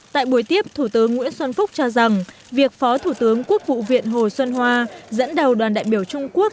tại buổi tiếp thủ tướng nguyễn xuân phúc cho rằng việc phó thủ tướng quốc vụ viện hồ xuân hoa dẫn đầu đoàn đại biểu trung quốc